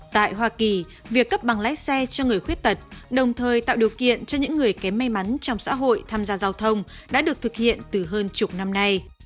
tại hoa kỳ việc cấp bằng lái xe cho người khuyết tật đồng thời tạo điều kiện cho những người kém may mắn trong xã hội tham gia giao thông đã được thực hiện từ hơn chục năm nay